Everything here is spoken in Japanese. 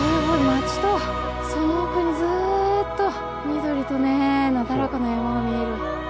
街とその奥にずっと緑とねなだらかな山が見える。